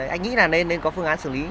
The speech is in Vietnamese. anh nghĩ là nên có phương án xử lý